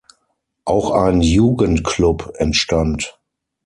Auch ein Jugendclub entstand.